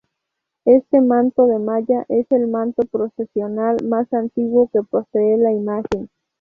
Este manto de malla es el manto procesional más antiguo que posee la imagen.